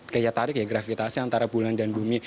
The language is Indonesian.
kayak tarik ya gravitasi antara bulan dan bumi